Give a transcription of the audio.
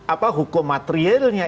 apa hukum materielnya